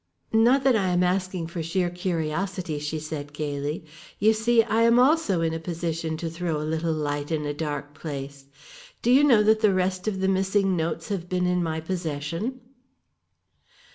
"Not that I am asking for sheer curiosity," she said gaily. "You see I am also in a position to throw a little light in a dark place. Do you know that the rest of the missing notes have been in my possession?"